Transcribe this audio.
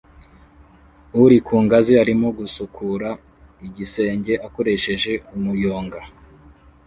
uri ku ngazi arimo gusukura igisenge akoresheje umuyonga